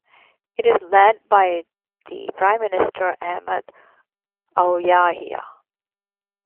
It is led by the Prime Minister Ahmed Ouyahia.